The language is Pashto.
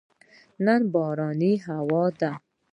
نن بارانې هوا ده